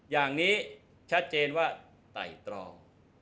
อย่างนี้ชัดเจนว่าไต่ตรอง